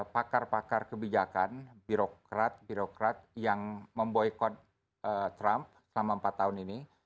pakar pakar kebijakan birokrat birokrat yang memboykot trump selama empat tahun ini